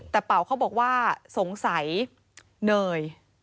แต่เป๋าเขาบอกว่าสงสัยเนย